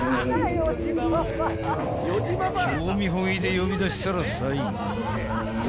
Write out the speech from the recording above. ［興味本位で呼び出したら最後］